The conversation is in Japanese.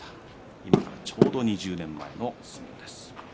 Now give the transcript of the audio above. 今から、ちょうど２０年前の相撲です。